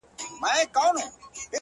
بُت سازېده او د مسجد ملا سلگۍ وهلې-